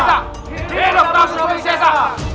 hidup rangus rosesa